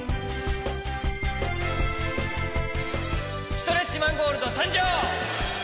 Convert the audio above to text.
ストレッチマン・ゴールドさんじょう！